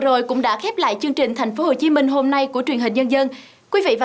rồi cũng đã khép lại chương trình thành phố hồ chí minh hôm nay của truyền hình nhân dân quý vị và